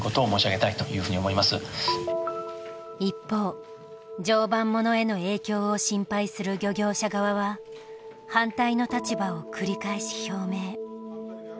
一方常磐ものへの影響を心配する漁業者側は反対の立場を繰り返し表明。